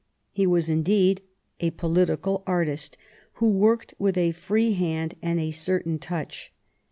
He was indeed a political artist, who worked with a free hand and a certain touch.